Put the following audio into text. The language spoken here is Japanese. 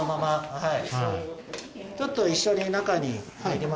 はい。